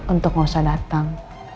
untuk gak usah datang